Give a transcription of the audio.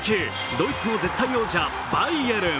ドイツの絶対王者・バイエルン。